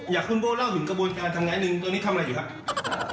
อย่างคุณโบ้เล่าถึงกระบวนการทำงานหนึ่งตัวนี้ทำอะไรอยู่ครับ